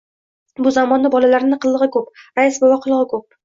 — Bu zamonni bolalarini qilig‘i ko‘p, rais bova, qilig‘i ko‘p.